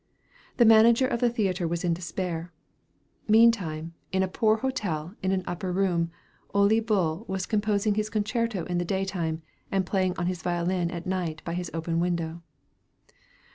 The manager of the theatre was in despair. Meantime, in a poor hotel, in an upper room, Ole Bull was composing his concerto in the daytime, and playing on his violin at night by his open window.